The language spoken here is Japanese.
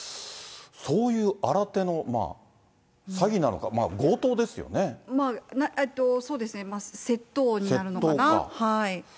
そういう新手の、まあ、詐欺なのか、まあ、そうですね、窃盗にな窃盗か。